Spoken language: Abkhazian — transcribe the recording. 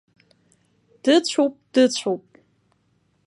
Дыцәоуп, дыцәоуп.